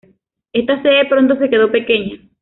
Esta sede pronto se quedó pequeña.